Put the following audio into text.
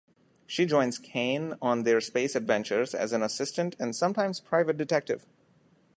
She joins Kain on their space adventures as an assistant and sometimes private detective.